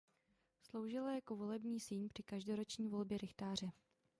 Sloužila jako volební síň při každoroční volbě rychtáře.